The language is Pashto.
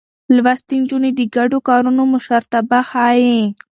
لوستې نجونې د ګډو کارونو مشرتابه ښيي.